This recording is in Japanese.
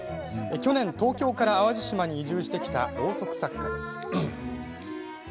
去年、東京から淡路島に移住してきたろうそく作家です。